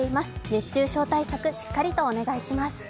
熱中症対策しっかりとお願いします。